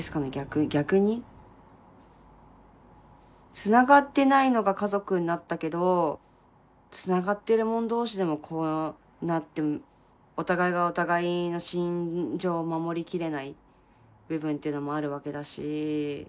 つながってないのが家族になったけどつながってる者同士でもこうなってお互いがお互いの心情を守りきれない部分っていうのもあるわけだし。